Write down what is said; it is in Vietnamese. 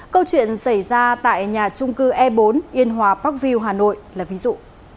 câu chuyện xảy ra tại nhà trung cư e bốn yên hòa parkview hà nội là ví dụ